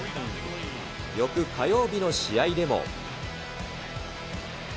翌火曜日の試合でも。